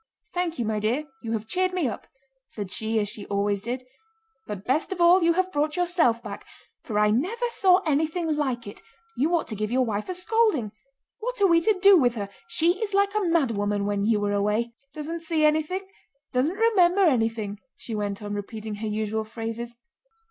"Thank you, my dear, you have cheered me up," said she as she always did. "But best of all you have brought yourself back—for I never saw anything like it, you ought to give your wife a scolding! What are we to do with her? She is like a mad woman when you are away. Doesn't see anything, doesn't remember anything," she went on, repeating her usual phrases.